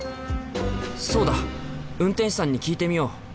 そうだ運転手さんに聞いてみよう！